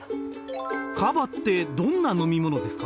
カバってどんな飲み物ですか？